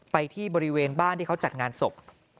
ไปที่บริเวณบ้านที่เขาจัดงานศพ